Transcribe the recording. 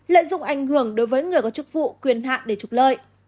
lợi dụng ảnh hưởng đối với người có chức vụ quyền hạn để trục lợi